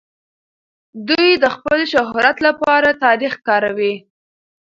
دوی د خپل شهرت لپاره تاريخ کاروي.